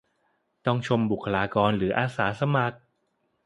ต้องชมบุคคลากรหรืออาสาสมัคร